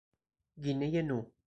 گینه نو